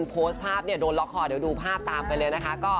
พี่น้องค่ะ